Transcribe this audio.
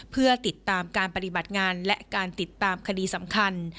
เพื่อติดตามการปฏิบัติงานและการติดตามคดีสำคัญ